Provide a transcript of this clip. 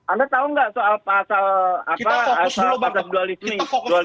anda tahu tidak soal pasal dualisme